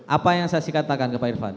apa yang saksi katakan ke pak irfan